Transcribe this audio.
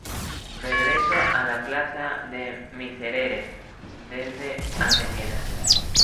Regreso A Plaza De Miserere: Desde Av.